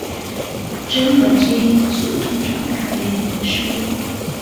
真核基因组通常大于原核生物。